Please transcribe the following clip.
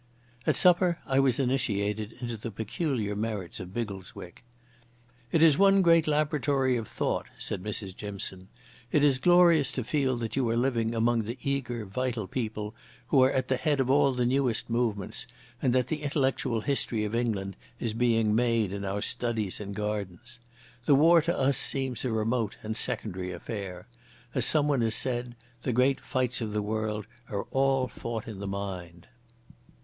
At supper I was initiated into the peculiar merits of Biggleswick. "It is one great laboratory of thought," said Mrs Jimson. "It is glorious to feel that you are living among the eager, vital people who are at the head of all the newest movements, and that the intellectual history of England is being made in our studies and gardens. The war to us seems a remote and secondary affair. As someone has said, the great fights of the world are all fought in the mind."